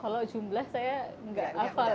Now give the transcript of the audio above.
kalau jumlah saya nggak ngapal ya